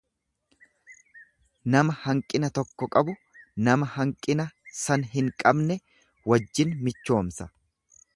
Nama hanqina tokko qabu nama hanqina san hin beekne wajjin michoomsa.